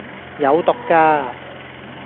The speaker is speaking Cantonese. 有毒㗎